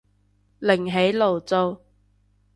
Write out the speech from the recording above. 另起爐灶